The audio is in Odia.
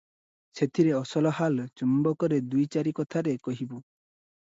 ସେଥିରେ ଅସଲ ହାଲ ଚୁମ୍ବକରେ ଦୁଇ ଚାରି କଥାରେ କହିବୁଁ ।